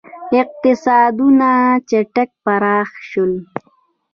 • اقتصادونه چټک پراخ شول.